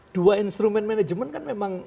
dua instrument management kan memang